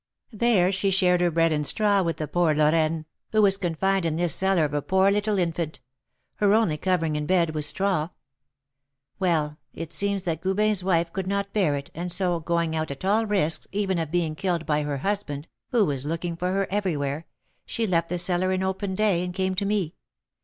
There she shared her bread and straw with the poor Lorraine, who was confined in this cellar of a poor little infant; her only covering and bed was straw! Well, it seems that Goubin's wife could not bear it, and so, going out at all risks, even of being killed by her husband, who was looking for her everywhere, she left the cellar in open day, and came to me.